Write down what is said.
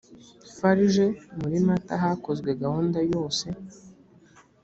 farg muri mata hakozwe gahunda yose